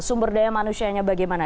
sumber daya manusianya bagaimana